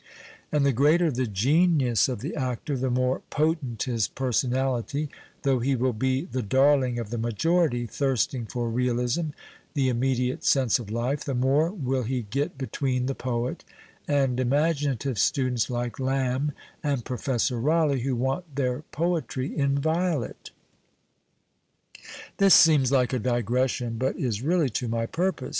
And the greater the '' genius " of the actor, the more potent his personality — though he will be the darling of the majority, thirsting for realism, the immediate sense of life — the more will he get between the poet and imaginative students like Lamb and Professor Rideigh, who want their poetry inviolate. This seems like a digression, but is really to my purpose.